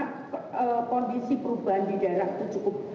karena kondisi perubahan di daerah itu cukup